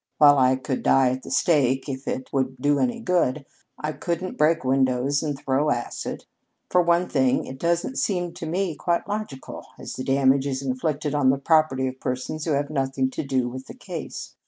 While I could die at the stake if it would do any good, I couldn't break windows and throw acid. For one thing, it doesn't seem to me quite logical, as the damage is inflicted on the property of persons who have nothing to do with the case.